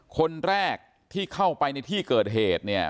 คนแรกที่เข้าไปในที่เกิดเหตุเนี่ย